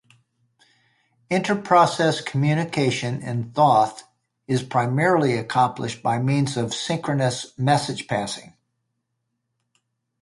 Inter Process Communication in Thoth is primarily accomplished by means of synchronous message passing.